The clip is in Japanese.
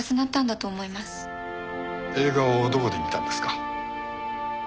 映画をどこで見たんですか？